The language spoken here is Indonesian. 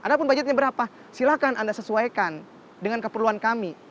ada pun budgetnya berapa silahkan anda sesuaikan dengan keperluan kami